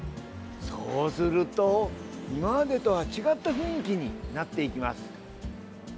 そうすると今までとは違った雰囲気になっていきます。